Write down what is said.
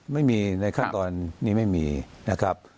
ไม่มีในขั้นตอนนี้ไม่มีนะครับ